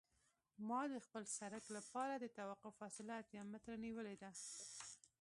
ما د خپل سرک لپاره د توقف فاصله اتیا متره نیولې ده